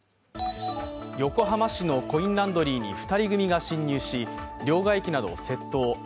横浜市のコインランドリーに２人組が侵入し、両替機などを窃盗。